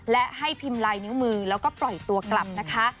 และให้พิมพ์ลายนิ้วมือแล้วก็ปล่อยตัวกลับนะคะ